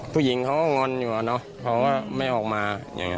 ผู้หญิงเขาก็งอนอยู่เขาก็ไม่ออกมา